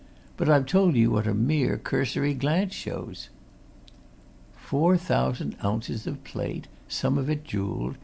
But I've told you what a mere, cursory glance shows." "Four thousand ounces of plate some of it jewelled!"